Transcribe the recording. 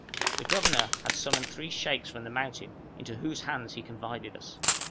The governor had summoned three sheikhs from the mountains, into whose hands he confided us.